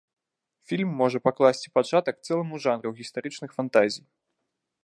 Фільм можа пакласці пачатак цэламу жанру гістарычных фантазій.